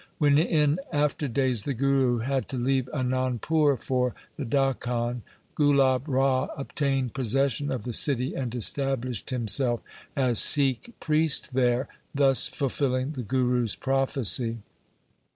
When in after days the Guru had to leave Anandpur for the Dakhan, Gulab Rai obtained possession of the city and established himself as Sikh priest there, thus fulfilling the Guru's prophecy.